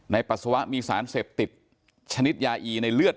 ปัสสาวะมีสารเสพติดชนิดยาอีในเลือด